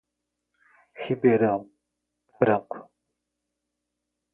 Ribeirão Branco